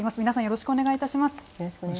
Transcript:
よろしくお願いします。